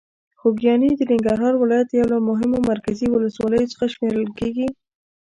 خوږیاڼي د ننګرهار ولایت یو له مهمو مرکزي ولسوالۍ څخه شمېرل کېږي.